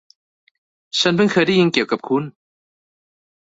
ฉันพึ่งเคยได้ยินเกี่ยวกับคุณ